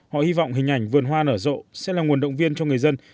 họ hy vọng hình ảnh vườn hoa nở rộ sẽ là nguồn động viên cho người dân